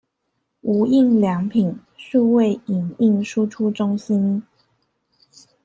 無印良品數位影印輸出中心